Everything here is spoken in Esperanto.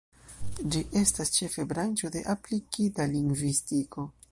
Ĝi estas ĉefe branĉo de aplikita lingvistiko.